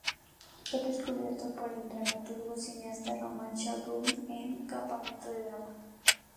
Fue descubierto por el dramaturgo y cineasta Román Chalbaud en un campamento de drama.